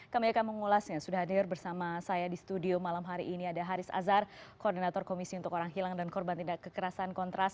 kami akan mengulasnya sudah hadir bersama saya di studio malam hari ini ada haris azhar koordinator komisi untuk orang hilang dan korban tindak kekerasan kontras